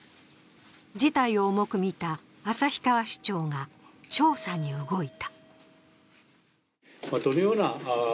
事態を重く見た旭川市長が調査に動いた。